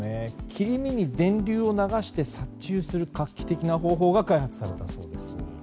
切り身に電流を流して殺虫する画期的な方法が開発されたそうです。